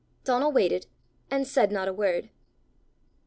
Donal waited, and said not a word.